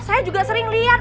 saya juga sering lihat